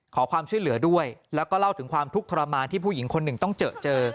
ขอความช่วยเหลือด้วยแล้วก็เล่าถึงความทุกข์ทรมานที่ผู้หญิงคนหนึ่งต้องเจอเจอ